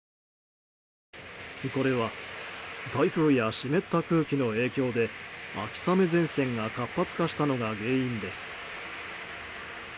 これは台風や湿った空気の影響で秋雨前線が活発化したのが原因です。